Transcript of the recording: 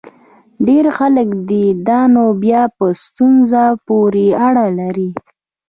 ډېر خلک دي؟ دا نو بیا په ستونزه پورې اړه لري.